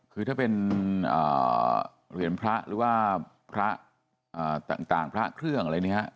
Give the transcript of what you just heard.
คือถ้าเป็นเหรียญพระหรือว่าพระต่างพระเครื่องอะไรเนี่ย